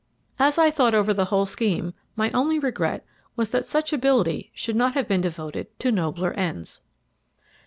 As I thought over the whole scheme, my only regret was that such ability should not have been devoted to nobler ends.